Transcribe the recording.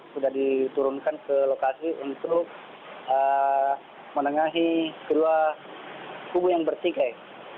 sudah diturunkan ke lokasi untuk menengahi kedua kubu yang bersikai